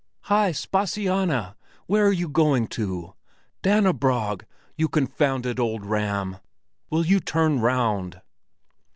"Hi! Spasianna! where are you going to? Dannebrog, you confounded old ram, will you turn round!"